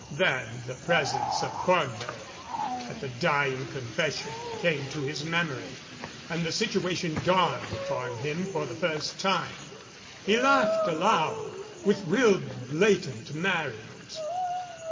Then the presence of Cornbury at the dying confession came to his memory, and the situation dawned upon him for the first time. He laughed aloud with real blatant merriment.